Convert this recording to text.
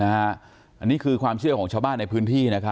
อันนี้คือความเชื่อของชาวบ้านในพื้นที่